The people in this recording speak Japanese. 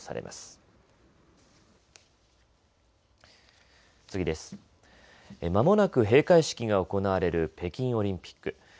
まもなく閉会式が行われる北京オリンピック。